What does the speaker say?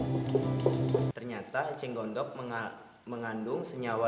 ternyata eceng gondok mengandung senyawa